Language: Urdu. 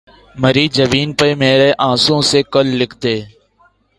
مری جبیں پہ مرے آنسوؤں سے کل لکھ دے